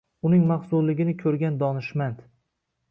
Uning mahzunligini ko`rgan donishmand